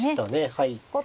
はい。